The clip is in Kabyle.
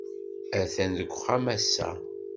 Atan deg uxxam ass-a.